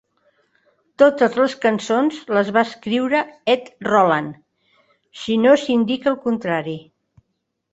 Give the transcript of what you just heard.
Totes les cançons les va escriure Ed Roland, si no s'indica el contrari.